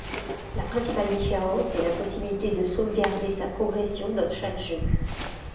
La principale différence est la possibilité de sauvegarder sa progression dans chaque jeu.